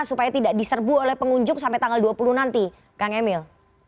supaya tidak diserbu oleh pengunjung sampai tanggal dua puluh nanti kang emil